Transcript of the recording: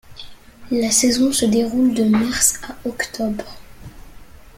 La saison se déroule de mars à octobre.